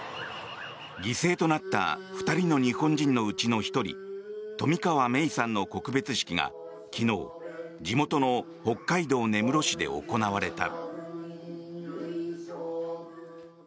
犠牲となった２人の日本人のうちの１人冨川芽生さんの告別式が昨日地元の北海道根室市で行われた。